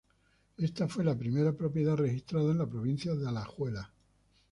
Esta fue la primera propiedad registrada en la provincia de Alajuela.